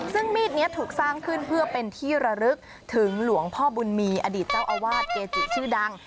ซึ่งมีดนี้ถูกสร้างขึ้นเพื่อเป็นที่ระลึกถึงหลวงพ่อบุญมีอดีตเจ้าอาวาสเกจิชื่อดัง